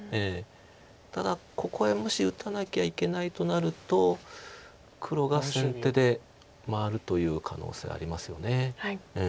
ただここへもし打たなきゃいけないとなると黒が先手で回るという可能性ありますよね。